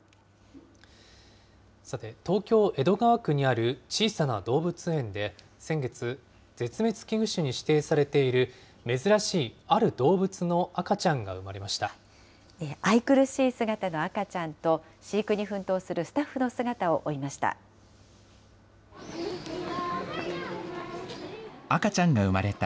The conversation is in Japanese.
さて、東京・江戸川区にある小さな動物園で、先月、絶滅危惧種に指定されている珍しいある動物の赤ちゃんが生まれま愛くるしい姿の赤ちゃんと、飼育に奮闘するスタッフの姿を追いました。